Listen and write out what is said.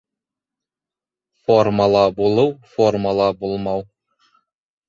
Формала булыу. Формала булмау